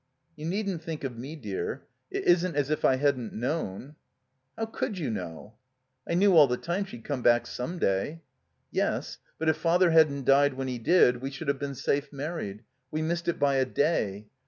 "You needn't think of me, dear. It isn't as if I hadn't known." *'How could you know?" "I knew all the time she'd come back — some day." "Yes. But if Father hadn't died when he did we should have been safe married. We missed it by a day.